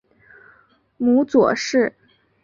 母左氏。